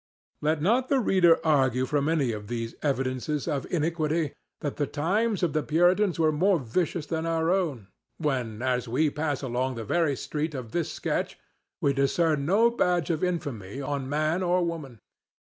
Let not the reader argue from any of these evidences of iniquity that the times of the Puritans were more vicious than our own, when as we pass along the very street of this sketch we discern no badge of infamy on man or woman.